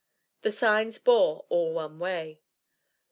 The signs bore all one way.